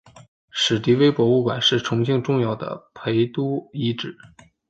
史迪威博物馆是重庆重要的陪都遗迹。